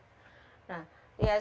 kalau hasilnya diva itu positif